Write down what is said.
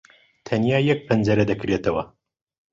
تەنیا یەک پەنجەرە دەکرێتەوە.